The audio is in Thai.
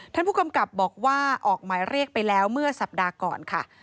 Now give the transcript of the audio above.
ท่านผู้กำกับบอกว่าออกหมายเรียกไปแล้วเมื่อสัปดาห์ก่อนค่ะ